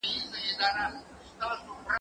هغه څوک چي ښوونځی ته ځي زدکړه کوي!.